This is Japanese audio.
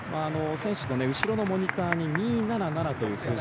選手の後ろのモニターに２７７という数字。